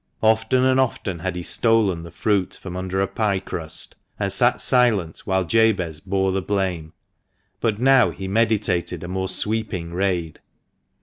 Often and often had he stolen the fruit from under a pie crust, and sat silent while Jabez bore the blame, but now he meditated a more sweeping raid.